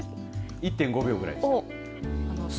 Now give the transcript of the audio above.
１．５秒ぐらいでした。